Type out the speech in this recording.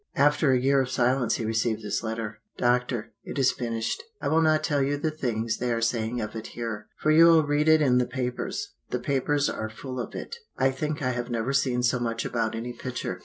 After a year of silence he received this letter: "Doctor, it is finished. I will not tell you the things they are saying of it here, for you will read it in the papers. The papers here are full of it; I think I have never seen so much about any picture.